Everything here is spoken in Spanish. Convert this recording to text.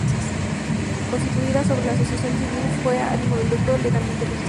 Constituida como una asociación civil sin ánimo de lucro, legalmente registrada.